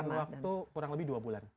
kita melakukan waktu kurang lebih dua bulan